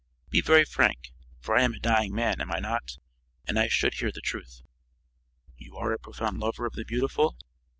"Be very frank, for I am a dying man, am I not? And I should hear the truth." "You are a profound lover of the beautiful?"